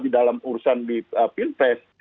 di dalam urusan di pilpres